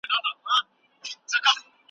چي هغه خپل نوبت هبه کړي.